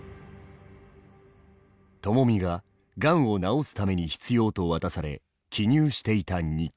ともみががんを治すために必要と渡され記入していた日記。